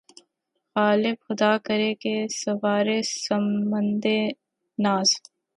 غالبؔ! خدا کرے کہ‘ سوارِ سمندِ ناز